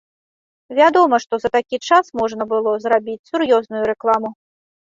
Вядома, што за такі час можна было зрабіць сур'ёзную рэкламу.